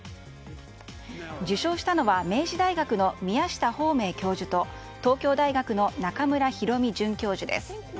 受賞したのは明治大学の宮下芳明教授と東京大学の中村裕美准教授です。